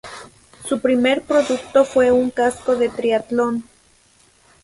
Su primer producto fue un casco de triatlón.